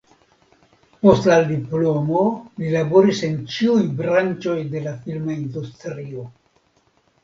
Post la diplomo li laboris en ĉiuj branĉoj de la filma industrio.